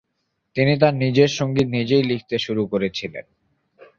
তিনি তাঁর নিজের সংগীত নিজেই লিখতে শুরু করেছিলেন।